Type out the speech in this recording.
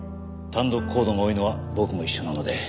単独行動が多いのは僕も一緒なので。